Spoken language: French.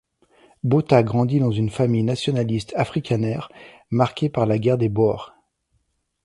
Botha grandit dans une famille nationaliste afrikaner, marquée par la guerre des Boers.